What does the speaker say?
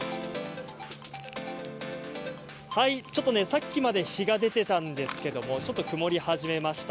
さっきまで日が出ていたんですけれどちょっと曇り始めました。